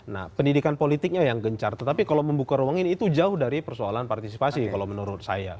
nah pendidikan politiknya yang gencar tetapi kalau membuka ruang ini itu jauh dari persoalan partisipasi kalau menurut saya